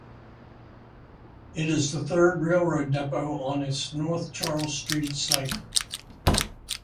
It is the third railroad depot on its North Charles Street site.